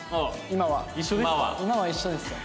今は一緒ですよ。